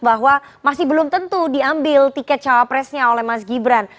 bahwa masih belum tentu diambil tiket cawapresnya oleh mas gibran